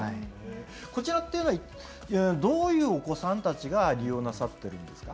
こちらっていうのはどういうお子さんたちが利用なさってるんですか？